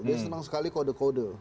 dia senang sekali kode kode